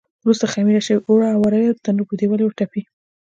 وروسته خمېره شوي اوړه اواروي او د تنور پر دېوال ورتپي.